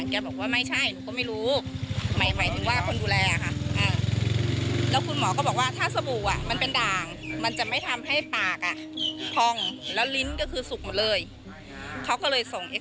เขาก็เลยส่งเอ็กซาเรย์ลำไส้แล้วก็พอ